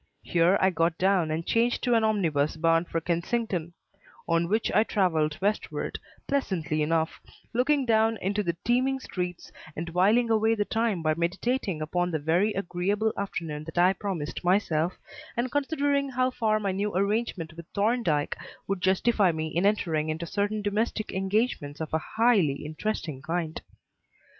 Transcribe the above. Here I got down and changed to an omnibus bound for Kensington; on which I travelled westward pleasantly enough, looking down into the teeming streets and whiling away the time by meditating upon the very agreeable afternoon that I promised myself, and considering how far my new arrangement with Thorndyke would justify me in entering into certain domestic engagements of a highly interesting kind.